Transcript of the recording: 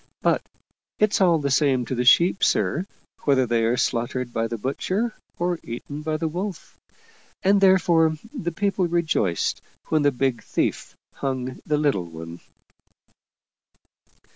But it's all the same to the sheep, sir, whether they are slaughtered by the butcher or eaten by the wolf. And therefore, the people rejoiced when the big thief hung the little one."